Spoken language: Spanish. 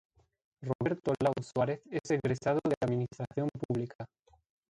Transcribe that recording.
Roberto Lau Suárez es egresado de Administración Pública.